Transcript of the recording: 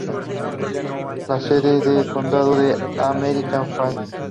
La sede del condado es American Falls.